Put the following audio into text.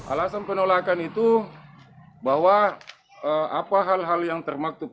alasan penolakan itu bahwa apa hal hal yang termaktub